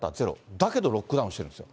だけどロックダウンしてるんですよ。